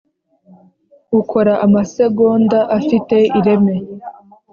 ukora amasegonda afite ireme.